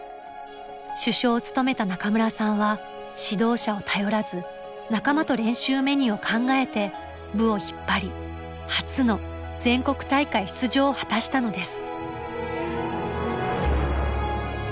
主将を務めた中村さんは指導者を頼らず仲間と練習メニューを考えて部を引っ張り初の全国大会出場を果たしたのです。